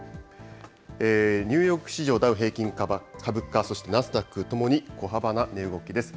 ニューヨーク市場ダウ平均株価、そしてナスダックともに小幅な値動きです。